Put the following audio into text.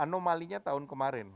anomalinya tahun kemarin